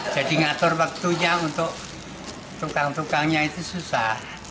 jadi ngatur waktunya untuk tukang tukangnya itu susah